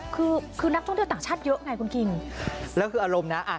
คือคือนักท่องเที่ยวต่างชาติเยอะไงคุณคิงแล้วคืออารมณ์นะอ่ะ